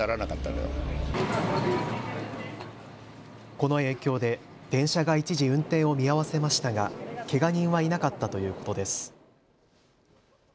この影響で電車が一時、運転を見合わせましたがけが人はいなかったということです。